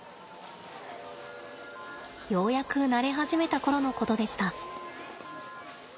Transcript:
ようやく慣れ始めた頃のことでした。